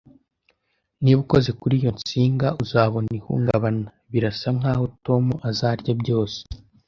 Niba ukoze kuri iyo nsinga, uzabona ihungabana Birasa nkaho Tom azarya byose